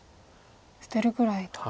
捨てるぐらいと。